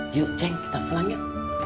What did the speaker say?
yuk ceng kita pulang yuk